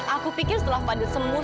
aku pikir setelah fadil sembuh